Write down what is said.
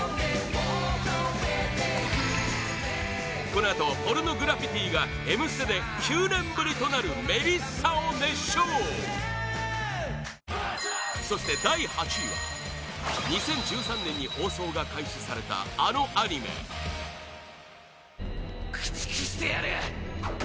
このあとポルノグラフィティが「Ｍステ」９年ぶりとなる「メリッサ」を熱唱そして第８位は２０１３年に放送が開始されたあのアニメエレン：駆逐してやる！